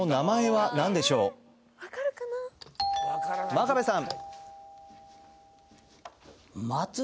眞壁さん